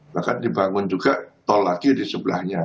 bahkan dibangun juga tol lagi di sebelahnya